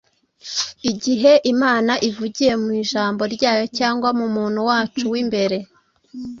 Igihe Imana ivugiye mu Ijambo ryayo cyangwa mu muntu wacu w’imbere,